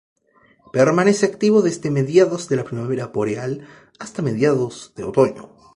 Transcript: Permanece activo desde mediados de la primavera boreal, hasta mediados del otoño.